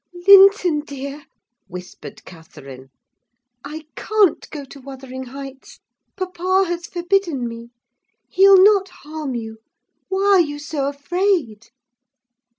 "Linton dear!" whispered Catherine, "I can't go to Wuthering Heights: papa has forbidden me. He'll not harm you: why are you so afraid?"